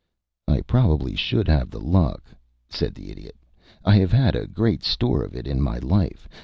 "I probably should have the luck," said the Idiot. "I have had a great store of it in my life.